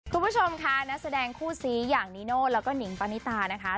คุณผู้ชมค่ะนักแสดงคู่ซีอย่างนิโน่แล้วก็หนิงปานิตานะคะ